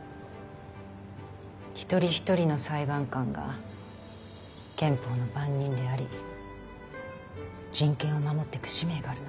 一人一人の裁判官が憲法の番人であり人権を守っていく使命があるの。